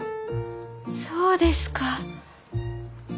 そうですか！